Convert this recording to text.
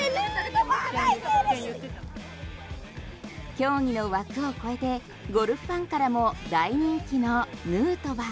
競技の枠を越えてゴルフファンからも大人気のヌートバー。